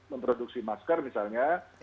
memproduksi masker misalnya